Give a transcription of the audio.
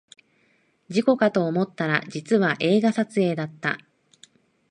事故かと思ったら実は映画撮影だった